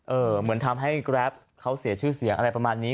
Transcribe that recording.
เหมือนทำให้แกรปเขาเสียชื่อเสียงอะไรประมาณนี้